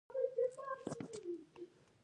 چین تاریخي اقتصاد بیا راژوندی کړ.